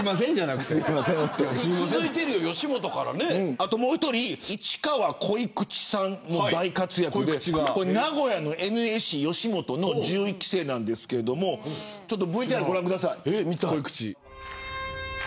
あともう一人市川こいくちさんが大活躍で名古屋のＮＳＣの１１期生なんですけどＶＴＲをご覧ください。